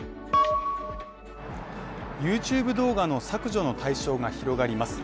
ＹｏｕＴｕｂｅ動画の削除の対象が広がります。